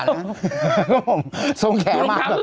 น้องไม่ขลาดเลอแก๊